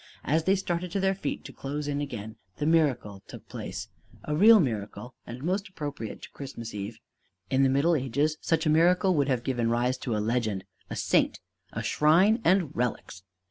As they started to their feet to close in again, the miracle took place a real miracle, and most appropriate to Christmas Eve. In the Middle Ages such a miracle would have given rise to a legend, a saint, a shrine, and relics.